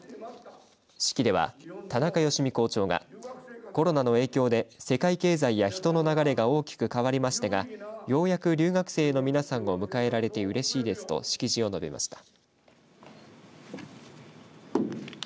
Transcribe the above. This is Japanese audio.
式では、田中由視校長がコロナの影響で世界経済や人の流れが大きく変わりましたがようやく留学生の皆さんを迎えられてうれしいですと式辞を述べました。